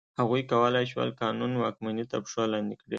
هغوی کولای شول قانون واکمني تر پښو لاندې کړي.